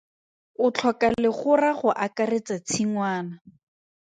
O tlhoka legora go akaretsa tshingwana.